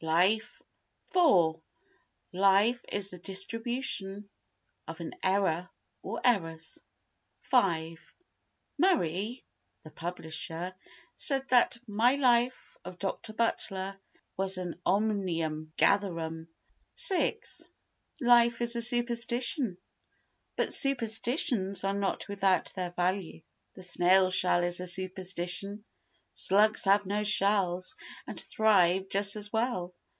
iv Life is the distribution of an error—or errors. v Murray (the publisher) said that my Life of Dr. Butler was an omnium gatherum. Yes, but life is an omnium gatherum. vi Life is a superstition. But superstitions are not without their value. The snail's shell is a superstition, slugs have no shells and thrive just as well.